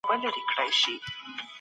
څو کورنۍ له دې بهیره تېرې شوې دي.